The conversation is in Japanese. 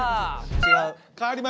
違う。